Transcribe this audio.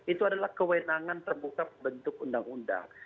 itu adalah kewenangan terbuka bentuk undang undang